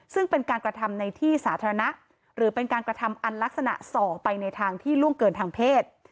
ซึ่งเป็นการกระทำในที่สาธารณะหรือเป็นการกระทำอันลักษณะส่อไปในทางที่ล่วงเกินทางเพศ